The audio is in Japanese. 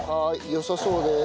よさそうです。